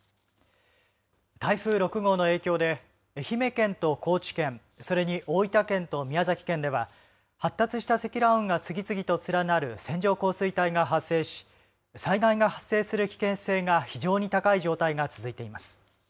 台風６号の影響で愛媛県と高知県それに大分県と宮崎県では発達した積乱雲が次々と連なる線状降水帯が発生し災害が発生する危険性が非常に高い状態が続いています。